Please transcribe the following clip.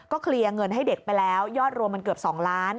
เคลียร์เงินให้เด็กไปแล้วยอดรวมมันเกือบ๒ล้าน